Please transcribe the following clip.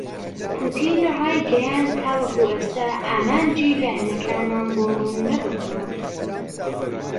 پوتین رایگەیاند تاوەکو ئێستا ئامانجی لایەنەکانمان بۆ رووننەبووەتەوە.